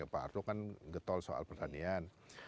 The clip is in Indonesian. pak arto kan getol soal pertanian